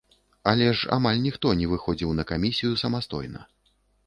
Але ж амаль ніхто не выходзіў на камісію самастойна.